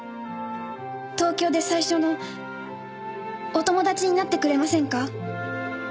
東京で最初のお友達になってくれませんか？